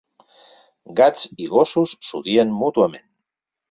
Gats i gossos s'odien mútuament.